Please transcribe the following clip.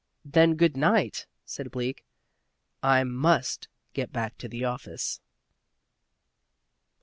"Then good night!" said Bleak. "I must get back to the office."